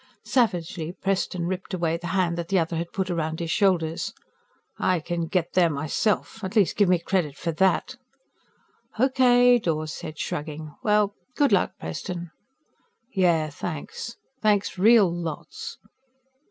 Savagely, Preston ripped away the hand that the other had put around his shoulders. "I can get there myself. At least give me credit for that!" "Okay," Dawes said, shrugging. "Well good luck, Preston." "Yeah. Thanks. Thanks real lots."